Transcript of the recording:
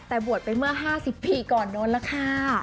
แต่บวชไปเมื่อ๕๐ปีก่อนโน้นแล้วค่ะ